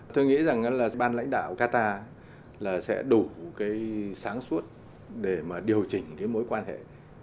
tôi nghĩ rằng là ban lãnh đạo qatar là sẽ đủ cái sáng suốt để mà điều chỉnh cái mối quan hệ